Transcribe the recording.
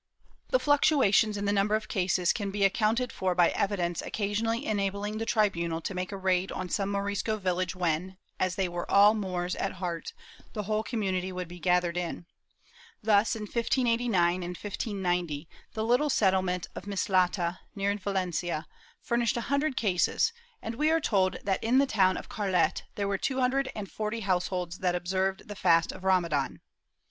^ The fluctuations in the number of cases can be accounted for by evidence occasionally enabling the tribunal to make a raid on some Morisco village when, as they were all Moors at heart, the whole community would be gathered in. Thus, in 1589 and 1590 the little settlement of Mislata, near Valencia, furnished a hundred cases and we are told that in the town of Carlet there were two hundred and forty households that observed the fast of Ramadan.